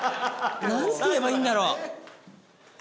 何て言えばいいんだろう？